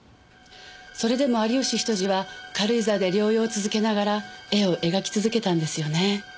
それでも有吉比登治は軽井沢で療養を続けながら絵を描き続けたんですよね。